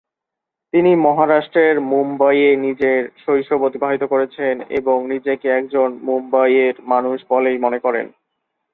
তিনি মহারাষ্ট্রের মুম্বইয়ে নিজের শৈশব অতিবাহিত করেছেন এবং নিজেকে "একজন মুম্বইয়ের মানুষ" বলেই মনে করেন।